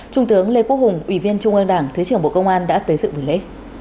trung tướng lê quốc hùng ủy viên trung ương đảng thứ trưởng bộ công an đã tới dựng lễ